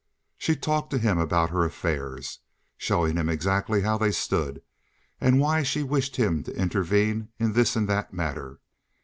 She talked to him about her affairs, showing him exactly how they stood and why she wished him to intervene in this and that matter.